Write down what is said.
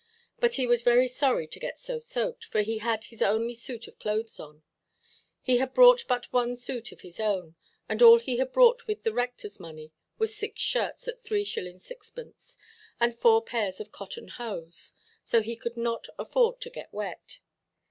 But he was very sorry to get so soaked, for he had his only suit of clothes on. He had brought but one suit of his own; and all he had bought with the rectorʼs money was six shirts at 3s. 6d., and four pairs of cotton hose. So he could not afford to get wet.